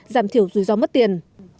giảm thiểu rủi ro mất tiền